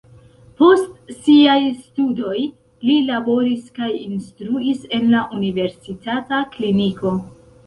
Post siaj studoj li laboris kaj instruis en la universitata kliniko.